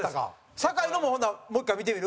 酒井のも、ほんなら、もう１回見てみる？